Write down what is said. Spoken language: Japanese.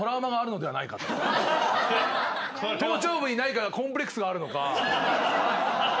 頭頂部に何かコンプレックスがあるのか。